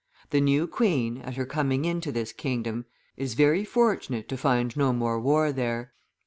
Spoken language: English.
The new queen, at her coming into this kingdom, is very fortunate to find no more war there.